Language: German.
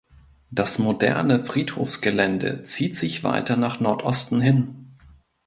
Das moderne Friedhofsgelände zieht sich weiter nach Nordosten hin.